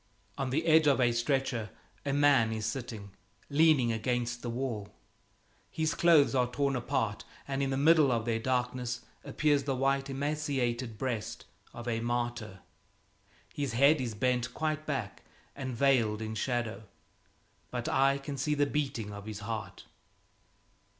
On the edge of a stretcher a man is sitting, leaning against the wall. His clothes are torn apart, and in the middle of their darkness appears the white, emaciated breast of a martyr. His head is bent quite back and veiled in shadow, but I can see the beating of his heart.